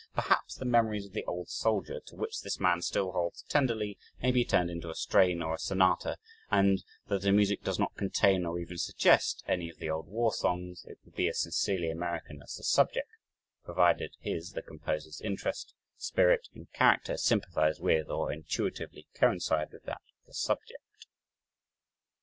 Perhaps the memories of the old soldier, to which this man still holds tenderly, may be turned into a "strain" or a "sonata," and though the music does not contain, or even suggest any of the old war songs, it will be as sincerely American as the subject, provided his (the composer's) interest, spirit, and character sympathize with, or intuitively coincide with that of the subject.